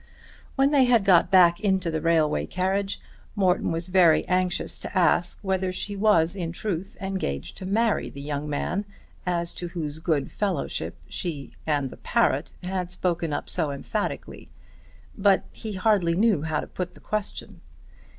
When they had got back into the railway carriage Morton was very anxious to ask whether she was in truth engaged to marry the young man as to whose good fellowship she and the parrot had spoken up so emphatically, but he hardly knew how to put the question.